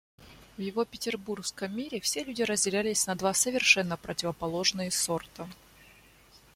В его петербургском мире все люди разделялись на два совершенно противоположные сорта.